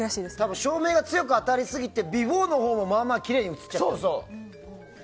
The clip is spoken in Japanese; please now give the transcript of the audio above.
照明が強く当たりすぎてビフォーのほうもまあまあきれいに映っちゃったんだよね。